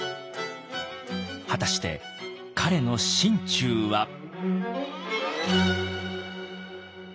果たして彼の心中は？